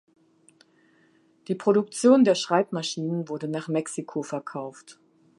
Die Produktion der Schreibmaschinen wurde nach Mexiko verkauft.